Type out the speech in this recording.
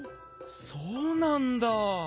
そうなんだ。